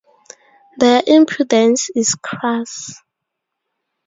Their impudence is crass.